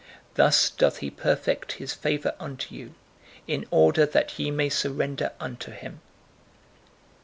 Thus doth He perfect His favour unto you, in order that ye may surrender (unto Him).